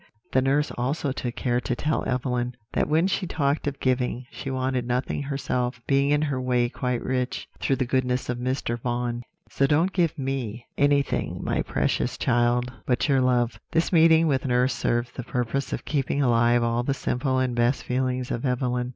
"The nurse also took care to tell Evelyn, that when she talked of giving, she wanted nothing herself, being in her way quite rich, through the goodness of Mr. Vaughan. "'So don't give me anything, my precious child, but your love.' "This meeting with nurse served the purpose of keeping alive all the simple and best feelings of Evelyn.